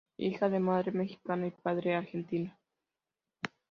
Hija de madre mexicana y de padre argentino.